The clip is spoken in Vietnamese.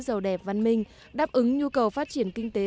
giàu đẹp văn minh đáp ứng nhu cầu phát triển kinh tế